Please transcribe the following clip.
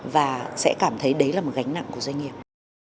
và sẽ cảm thấy đấy là một gánh nặng của doanh nghiệp